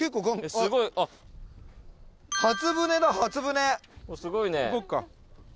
すごいね。